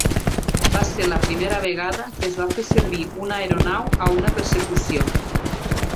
Va ser la primera vegada que es va fer servir una aeronau a una persecució.